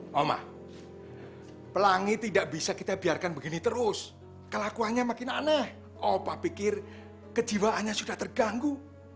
mama pelangi tidak bisa kita biarkan begini terus kelakuannya makin aneh opa pikir kejiwaannya sudah terganggu